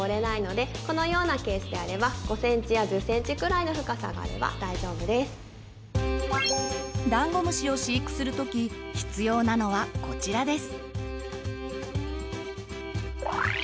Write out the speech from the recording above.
このようなケースであればダンゴムシを飼育する時必要なのはこちらです！